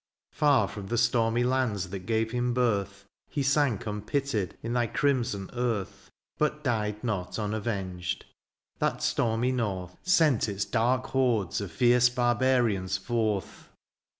Far from the stormy lands that gave him birth. He sank unpitied in thy crimson earth ; But died not unavenged : that stormy north Sent its dark hordes of fierce barbarians forth.